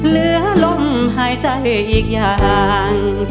เหลือลมหายใจอีกอย่าง